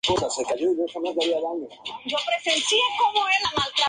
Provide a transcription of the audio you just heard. Buena facilidad de pelado, y fácil abscisión del pedúnculo.